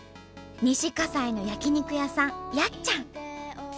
西西の焼肉屋さんやっちゃん。